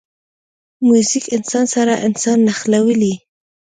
موزیک انسان سره انسان نښلوي.